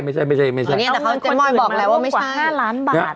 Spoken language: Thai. เอาเงินคนอื่นมาร่วมกว่า๕ล้านบาท